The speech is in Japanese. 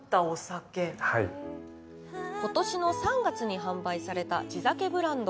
ことしの３月に発売された地酒ブランド。